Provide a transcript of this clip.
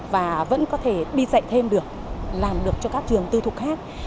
và vẫn có thể đi dạy thêm được làm được cho các trường tư thục khác